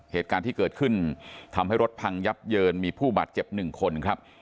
เหตุการณ์ที่เกิดขึ้นทำให้รถพังยับเยินมีผู้บาดเจ็บหนึ่งคนครับ